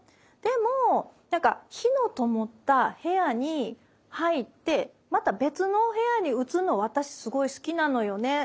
でも何か灯のともった部屋に入ってまた別の部屋に移るの私すごい好きなのよね。